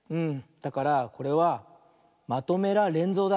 だからこれは「まとめられんぞう」だ。